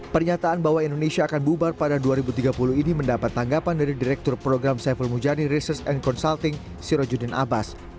pernyataan bahwa indonesia akan bubar pada dua ribu tiga puluh ini mendapat tanggapan dari direktur program saiful mujani research and consulting sirojudin abbas